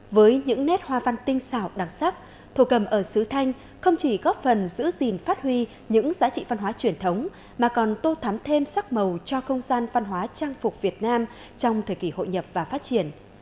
với những nét hoa văn tinh xảo đặc sắc thổ cầm ở sứ thanh không chỉ góp phần giữ gìn phát huy những giá trị văn hóa truyền thống mà còn tô thắm thêm sắc màu cho không gian văn hóa trang phục việt nam trong thời kỳ hội nhập và phát triển